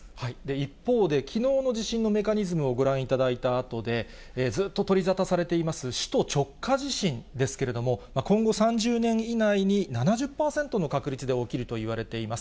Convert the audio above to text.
一方で、きのうの地震のメカニズムをご覧いただいたあとで、ずっと取り沙汰されています、首都直下地震ですけれども、今後３０年以内に７０％の確率で起きるといわれています。